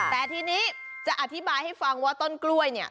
แต่ทีนี้จะอธิบายให้ฟังว่าต้นกล้วยเนี่ย